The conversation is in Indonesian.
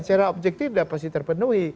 secara objektif sudah pasti terpenuhi